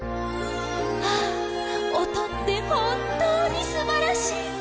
あおとってほんとうにすばらしい！